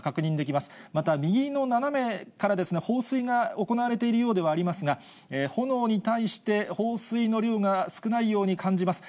また右の斜めからですね、放水が行われているようではありますが、炎に対して放水の量が少ないように感じます。